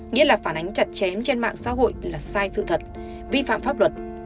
nghĩa là phản ánh chặt chém trên mạng xã hội là sai sự thật vi phạm pháp luật